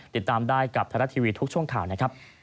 ติดตามได้กับไทยรัฐทีวีทุกช่วงข่าวนะครับ